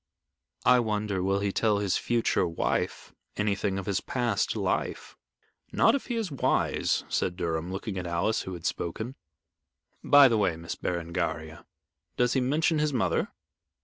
"I wonder will he tell his future wife anything of his past life." "Not if he is wise," said Durham, looking at Alice, who had spoken. "By the way, Miss Berengaria, does he mention his mother?"